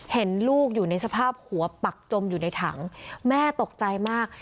เห็นลูกอยู่ในสภาพหัวปักจมอยู่ในถังแม่ตกใจมาก